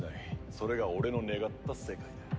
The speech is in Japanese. それが俺の願った世界だ。